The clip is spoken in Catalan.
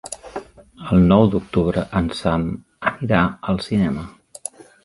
El nou d'octubre en Sam irà al cinema.